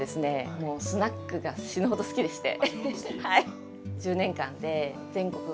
もうスナックが死ぬほど好きでして。